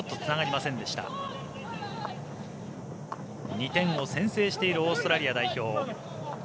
２点を先制しているオーストラリア代表。